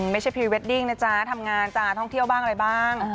พรีเวดดิ้งนะจ๊ะทำงานจ๊ะท่องเที่ยวบ้างอะไรบ้าง